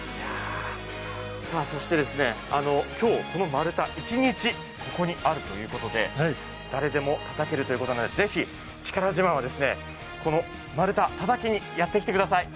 そして今日この丸太一日ここにあるということで、誰でもたたけるということなのでぜひ力自慢は、この丸太をたたきにやってきてください。